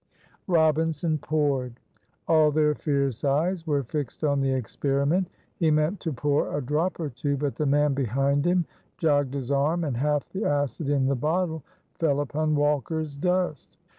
Robinson poured. All their fierce eyes were fixed on the experiment. He meant to pour a drop or two, but the man behind him jogged his arm, and half the acid in the bottle fell upon Walker's dust.